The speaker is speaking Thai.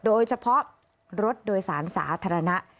โดยเฉพาะรถโดยสารสาธารณะ